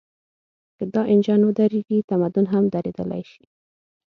که دا انجن ودرېږي، تمدن هم درېدلی شي.